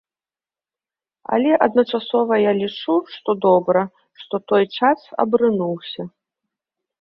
Але, адначасова, я лічу, што добра, што той час абрынуўся.